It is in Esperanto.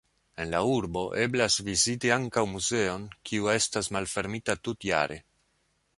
En la urbo eblas viziti ankaŭ muzeon, kiu estas malfermita tutjare.